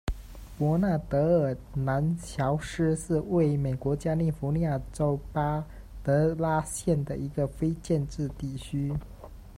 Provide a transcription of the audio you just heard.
博纳德尔兰乔斯是位于美国加利福尼亚州马德拉县的一个非建制地区。